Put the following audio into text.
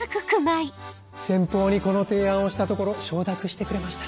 先方にこの提案をしたところ承諾してくれました。